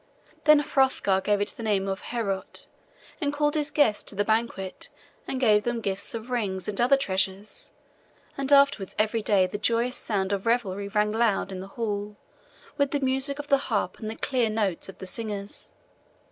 Then Hrothgar gave it the name of Heorot, and called his guests to the banquet, and gave them gifts of rings and other treasures; and afterwards every day the joyous sound of revelry rang loud in the hall, with the music of the harp and the clear notes of the singers.